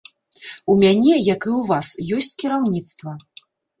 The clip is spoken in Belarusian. У мяне, як і ў вас, ёсць кіраўніцтва.